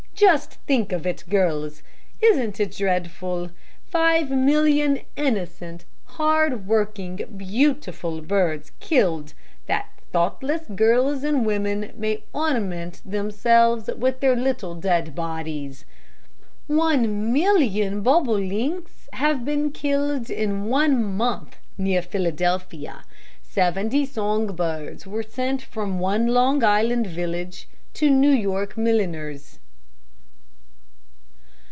Just think of it, girls, Isn't it dreadful? Five million innocent, hardworking, beautiful birds killed, that thoughtless girls and women may ornament themselves with their little dead bodies. One million bobolinks have been killed in one month near Philadelphia. Seventy song birds were sent from one Long Island village to New York milliners.